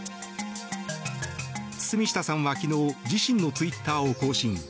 堤下さんは昨日自身のツイッターを更新。